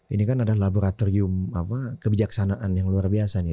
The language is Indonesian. ini kan ada laboratorium kebijaksanaan yang luar biasa nih